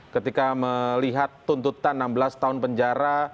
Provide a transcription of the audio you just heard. ketika melihat tuntutan enam belas tahun penjara